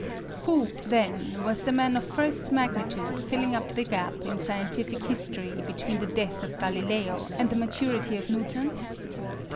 Who, then, was the man of first magnitude filling up the gap in scientific history between the death of Galileo and the maturity of Newton?